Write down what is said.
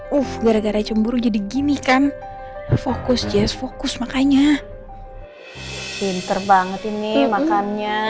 uh gara gara cemburu jadi gini kan fokus jazz fokus makanya pinter banget ini makannya